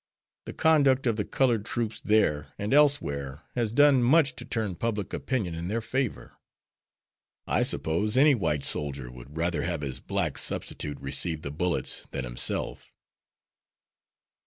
The conduct of the colored troops there and elsewhere has done much to turn public opinion in their favor. I suppose any white soldier would rather have his black substitute receive the bullets than himself."